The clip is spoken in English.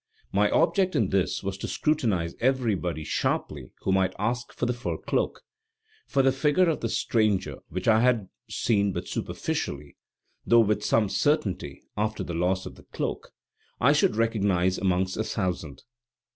My object in this was to scrutinize everybody sharply who might ask for the fur cloak; for the figure of the stranger, which I had seen but superficially, though with some certainty, after the loss of the cloak, I should recognize amongst a thousand.